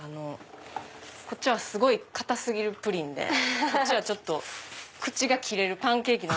こっちはすごい硬過ぎるプリンでこっちは口が切れるパンケーキ。